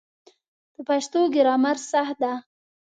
د پښتو ګرامر سخت ده